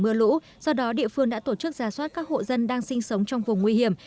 giai đoạn cao điểm mưa lũ do đó địa phương đã tổ chức giá soát các hộ dân đang sinh sống trong vùng nguy hiểm